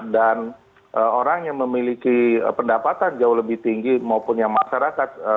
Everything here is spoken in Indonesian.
dan orang yang memiliki pendapatan jauh lebih tinggi maupun yang masyarakat